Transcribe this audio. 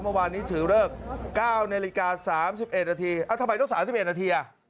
เมื่อวานนี้ถือเลิก๙นาฬิกา๓๑นาทีทำไมต้อง๓๑นาที